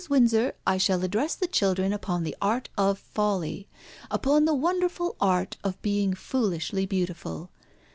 Windsor, I shall address the children upon the art of folly, upon the wonderful art of being foolishly beautiful.